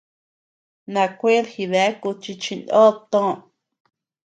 Nankued jidéaku chi chinod toó.